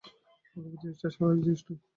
পক্ষপাত-জিনিসটা স্বাভাবিক জিনিস নয়।